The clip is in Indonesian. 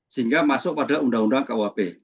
sehingga masuk pada undang undang kuhp